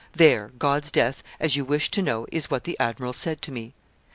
There, God's death, as you wish to know, is what the admiral said to me.